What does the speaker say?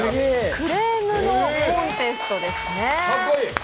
クレームのコンテストですね。